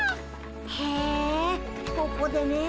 へえここでねえ。